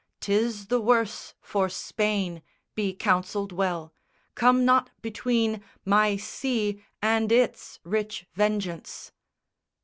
'Tis the worse For Spain, Be counselled well: come not between My sea and its rich vengeance."